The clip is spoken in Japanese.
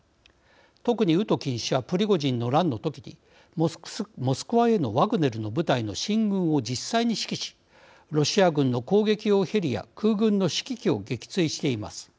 特に、ウトキン氏はプリゴジンの乱の時にモスクワへのワグネルの部隊の進軍を実際に指揮しロシア軍の攻撃用ヘリや空軍の指揮機を撃墜しています。